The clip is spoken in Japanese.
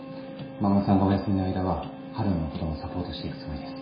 衛さんがお休みの間は春野のこともサポートしていくつもりです。